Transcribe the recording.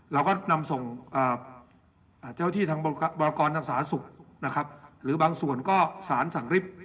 เราก็นำส่งเจ้าที่ทางบกรณทางสาธารณสุขนะครับหรือบางส่วนก็สารสั่งริบ